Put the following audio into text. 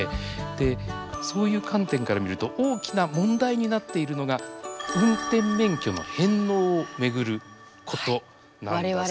でそういう観点から見ると大きな問題になっているのが運転免許の返納を巡ることなんだそうです。